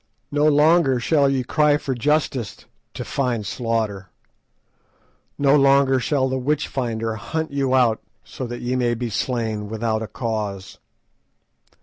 No longer shall ye cry for justice to find slaughter, no longer shall the witch finder hunt you out so that ye may be slain without a cause.